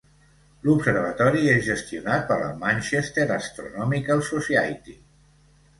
L'observatori és gestionat per la Manchester Astronomical Society.